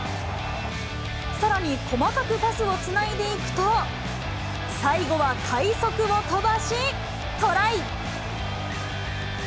さらに細かくパスをつないでいくと、最後は快足を飛ばし、トライ。